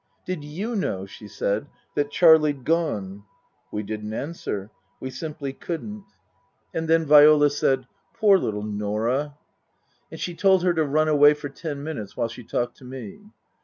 " Did you know," she said, " that Charlie'd gone ?" We didn't answer. We simply couldn't. 16 242 Tasker Jevons And then Viola said, " Poor little Norah!" And she told her to run away for ten minutes while she talked to me.